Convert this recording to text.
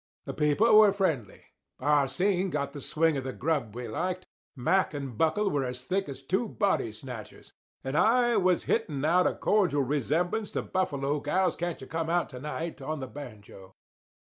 The people were friendly; Ah Sing got the swing of the grub we liked; Mack and Buckle were as thick as two body snatchers, and I was hitting out a cordial resemblance to "Buffalo Gals, Can't You Come Out To night," on the banjo.